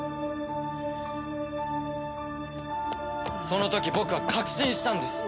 その時僕は確信したんです。